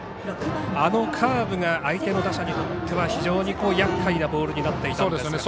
あのカーブが相手打者にとっては非常にやっかいなボールになっていました。